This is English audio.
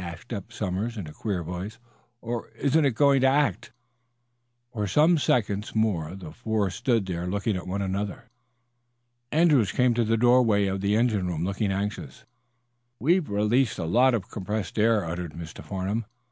asked Eph Somers, in a queer voice. "Or isn't it going to act?" For some seconds more the four stood there looking at one another. Andrews came to the doorway of the engine room, looking anxious. "We've released a lot of compressed air," uttered Mr. Farnum.